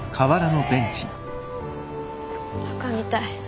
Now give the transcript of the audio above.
バカみたい。